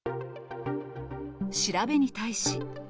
調べに対し。